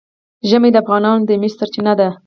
ژمی د افغانانو د معیشت سرچینه ده.